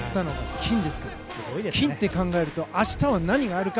金って考えると明日は何があるか。